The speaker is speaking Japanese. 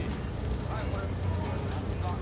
はいこれどなたでしょうか？